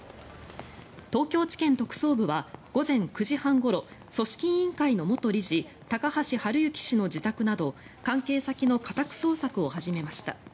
東京地検特捜部は午前９時半ごろ組織委員会の元理事高橋治之氏の自宅など関係先の家宅捜索を始めました。